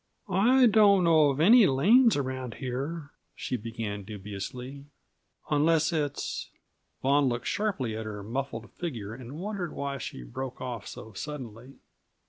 "I don't know of any lanes around here," she began dubiously, "unless it's " Vaughan looked sharply at her muffled figure and wondered why she broke off so suddenly.